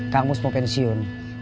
kamus mau pensiun